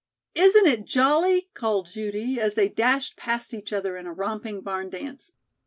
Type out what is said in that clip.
"Isn't it jolly?" called Judy, as they dashed past each other in a romping barn dance.